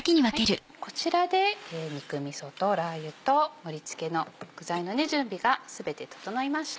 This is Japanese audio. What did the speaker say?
こちらで肉みそとラー油と盛り付けの具材の準備が全て整いました。